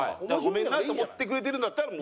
ごめんなって思ってくれてるんだったら。